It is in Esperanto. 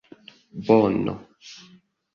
bono